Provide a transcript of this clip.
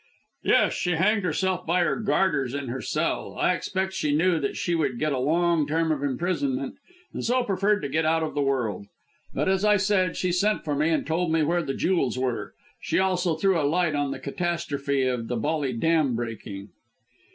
"Yes. She hanged herself by her garters in her cell. I expect she knew that she would get a long term of imprisonment, and so preferred to get out of the world. But, as I said, she sent for me and told me where the jewels were. She also threw a light on the catastrophe of the Bolly Dam breaking."